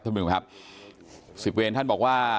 ท่านผู้ชมครับสิบเวรท่านบอกว่า